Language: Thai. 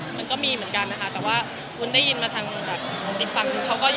มันก็มีเหมือนกันนะคะแต่ว่าวุ้นได้ยินมาทางดินฟัง